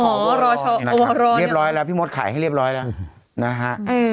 ของเขาว่าร้อยละพี่มดให้เรียบร้อยนะนะคะ